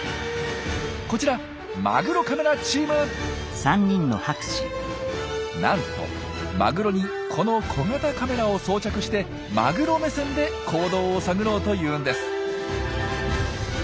こちらなんとマグロにこの小型カメラを装着してマグロ目線で行動を探ろうというんです。